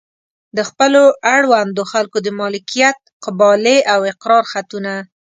د خپلو اړونده خلکو د مالکیت قبالې او اقرار خطونه.